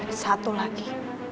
ada satu lagi